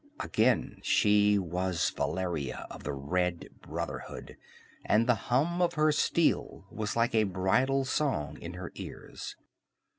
Again she was Valeria of the Red Brotherhood, and the hum of her steel was like a bridal song in her ears.